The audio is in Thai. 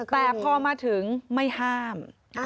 แต่พอมาถึงไม่ห้าม